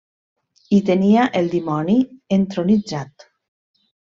Hi tenia el dimoni entronitzat.